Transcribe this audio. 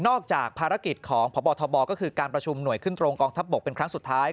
จากภารกิจของพบทบก็คือการประชุมหน่วยขึ้นตรงกองทัพบกเป็นครั้งสุดท้าย